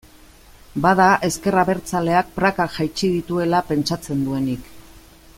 Bada ezker abertzaleak prakak jaitsi dituela pentsatzen duenik.